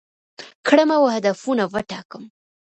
کړم او هدفونه وټاکم،